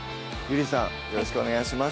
よろしくお願いします